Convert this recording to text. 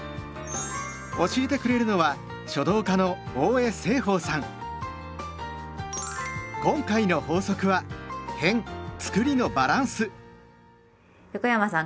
教えてくれるのは今回の法則は横山さん